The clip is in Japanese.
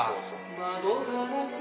窓ガラス